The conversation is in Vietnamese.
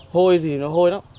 hôi thì nó hôi lắm